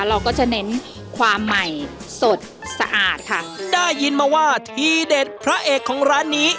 เราก็จะเน้นความใหม่สดสะอาดค่ะได้ยินมาว่าทีเด็ดพระเอกของร้านนี้